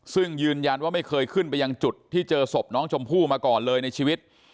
ซึ่งยืนยันว่าไม่เคยขึ้นไปยังจุดที่เจอศพน้องชมพู่มาก่อนเลยในชีวิต